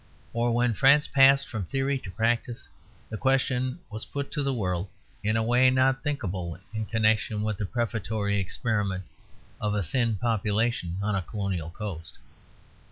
For when France passed from theory to practice, the question was put to the world in a way not thinkable in connection with the prefatory experiment of a thin population on a colonial coast.